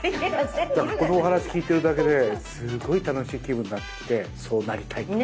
だからこのお話聞いてるだけですごい楽しい気分になってきてそうなりたいって。